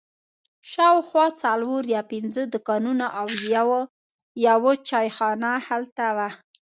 شاوخوا څلور یا پنځه دوکانونه او یوه چای خانه هلته وه.